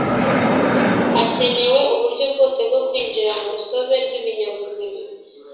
hakenewe uburyo bwose bwo kwinjira mu rusobe rw’ibinyabuzima